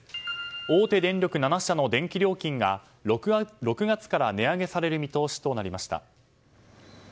大手電力７社の電気料金が６月から値上げされる見通しとなりました。